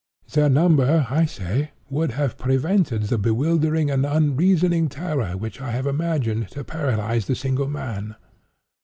Their number, I say, would have prevented the bewildering and unreasoning terror which I have imagined to paralyze the single man.